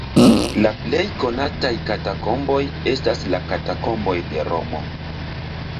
La plej konataj katakomboj estas la Katakomboj de Romo.